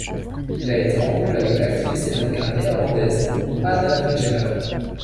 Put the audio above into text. Il a été en couple avec l'actrice et mannequin néerlandaise Anna Drijver.